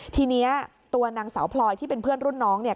ทีนี้ตัวนางสาวพลอยที่เป็นเพื่อนรุ่นน้องเนี่ย